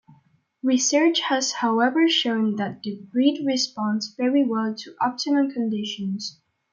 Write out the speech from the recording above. Research has however shown that the breed responds very well to optimum conditions.